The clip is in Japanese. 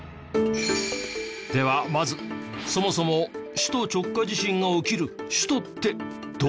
ではまずそもそも首都直下地震が起きる首都ってどこ？